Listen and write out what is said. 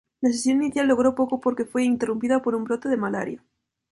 La sesión inicial logró poco porque fue interrumpida por un brote de malaria.